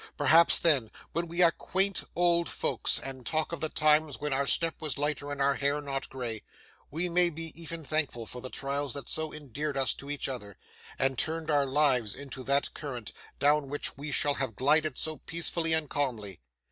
Perhaps then, when we are quaint old folks and talk of the times when our step was lighter and our hair not grey, we may be even thankful for the trials that so endeared us to each other, and turned our lives into that current, down which we shall have glided so peacefully and calmly.